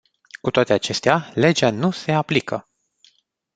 Cu toate acestea, legea nu se aplică.